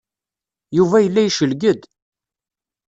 Yuba yella yecleg-d.